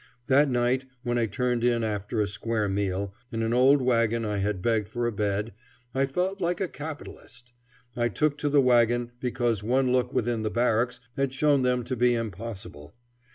That night, when I turned in after a square meal, in an old wagon I had begged for a bed, I felt like a capitalist. I took to the wagon because one look within the barracks had shown them to be impossible.